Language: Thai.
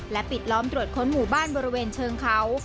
ปิดล้อมตรวจค้นหมู่บ้านบริเวณเชิงเขา